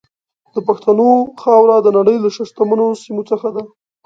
د پښتنو خاوره د نړۍ له شتمنو سیمو څخه ده.